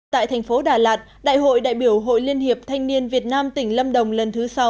tại thành phố đà lạt đại hội đại biểu hội liên hiệp thanh niên việt nam tỉnh lâm đồng lần thứ sáu